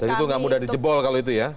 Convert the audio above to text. jadi itu gak mudah di jebol kalau itu ya